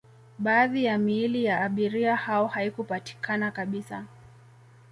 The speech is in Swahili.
baadhi ya miili ya abiria hao haikupatikana kabisa